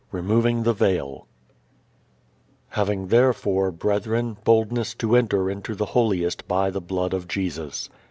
_ III Removing the Veil Having therefore, brethren, boldness to enter into the holiest by the blood of Jesus.